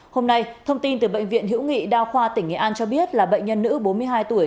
hôm nay thông tin từ bệnh viện hữu nghị đa khoa tỉnh nghệ an cho biết là bệnh nhân nữ bốn mươi hai tuổi